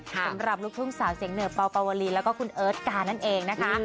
สำหรับลูกทุ่งสาวเสียงเหนือเป่าปาวลีแล้วก็คุณเอิร์ทกานั่นเองนะคะ